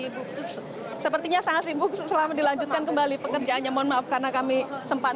ibu sepertinya sangat sibuk selama dilanjutkan kembali pekerjaannya mohon maaf karena kami sempat